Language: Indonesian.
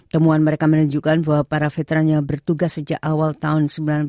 temuan mereka menunjukkan bahwa para veteran yang bertugas sejak awal tahun seribu sembilan ratus sembilan puluh